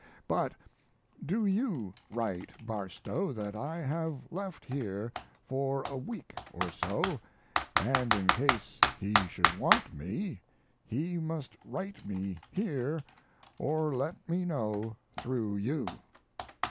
But do you write Barstow that I have left here for a week or so, and in case he should want me, he must write me here, or let me know through you.